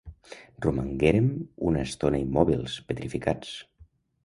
Romanguérem una estona immòbils, petrificats.